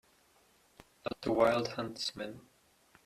The wild huntsman.